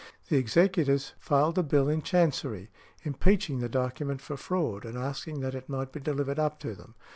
The executors filed a bill in chancery, impeaching the document for fraud, and asking that it might be delivered up to them.